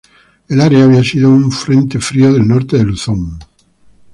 El área, había sido un frente frío del norte de Luzon.